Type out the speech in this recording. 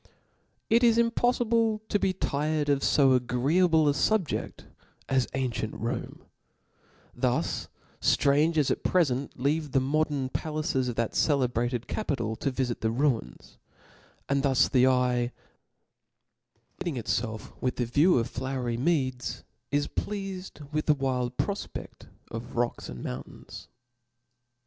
T T is impolfibic to be tired of fo agreeable •*■ a fubjeft as ancient Rome : thus ftrangers at prefent leave the modern palapes of that celebrated capital to vifit the ruins ; and thus the eye after recreating itielf with the view of flowery meads, is pleafed with the wild profpe6t of rocks and moun tains.